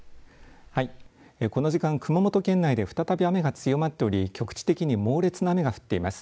この時間、熊本県内で再び雨が強まっており局地的に猛烈な雨が降っています。